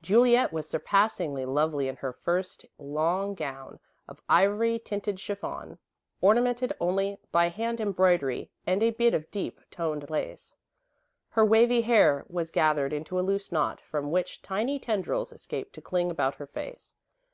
Juliet was surpassingly lovely in her first long gown, of ivory tinted chiffon, ornamented only by hand embroidery and a bit of deep toned lace. Her wavy hair was gathered into a loose knot, from which tiny tendrils escaped to cling about her face.